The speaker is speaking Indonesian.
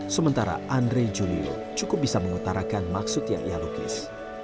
sementara andre julio cukup bisa mengutarakan maksud yang ia lukis